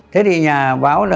thế thì nhà báo là